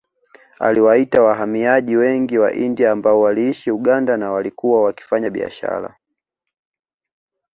Aliwaita wahamiaji wengi wa India ambao waliishi Uganda na walikuwa wakifanya biashara